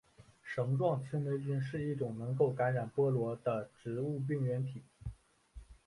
绳状青霉菌是一种能够感染菠萝的植物病原体。